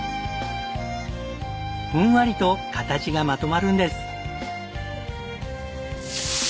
ふんわりと形がまとまるんです。